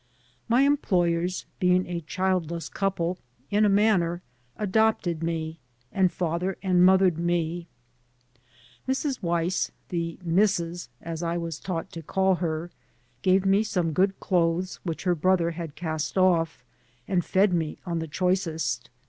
My employers, being a childless couple, in a manner adopted me and f ather and mothered me. Mrs. Weiss — "The Mrs.," as I was taught to call her — gave me some good clothes which her brother had cast off, and fed me on the choicest.